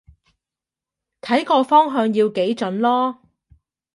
睇個方向要幾準囉